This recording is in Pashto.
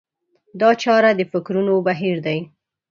دا چاره د فکرونو بهير دی.